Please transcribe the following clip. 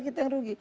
kita yang rugi